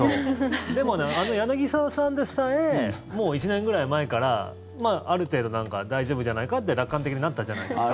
でも、あの柳澤さんでさえもう１年ぐらい前からある程度大丈夫じゃないかって楽観的になったじゃないですか。